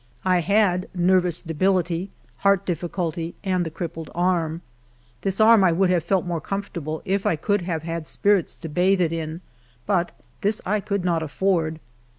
I had nervous debility, heart diffi a/ culty, and the crippled arm. This arm would have felt more comfortable if 1 could have had spirits to bathe it in, but this 1 could not afford.